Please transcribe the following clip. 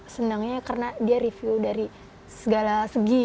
senangnya karena dia review dari segala segi